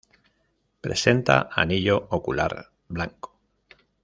Presenta anillo ocular blanco.